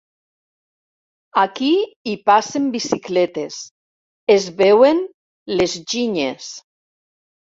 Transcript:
Aquí hi passen bicicletes, es veuen les ginyes.